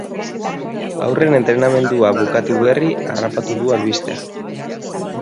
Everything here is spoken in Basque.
Haurren entrenamendua bukatu berri harrapatu du albistea.